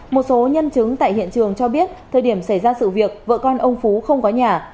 một số nhân chứng tại hiện trường cho biết thời điểm xảy ra sự việc vợ con ông phú không có nhà